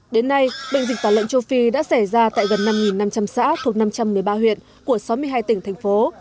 đến nay bệnh dịch tả lợn châu phi đã xảy ra tại gần năm năm trăm linh xã thuộc năm trăm một mươi ba huyện của sáu mươi hai tỉnh thành phố